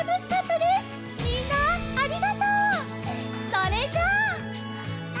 それじゃあ！